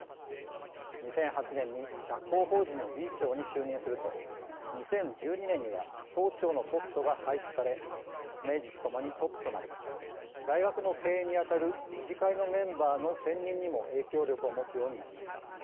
２００８年に学校法人の理事長に就任すると２０１２年には総長のポストが廃止され名実ともにトップとなり大学の経営に当たる理事会のメンバーの選任にも影響力を持つようになりました。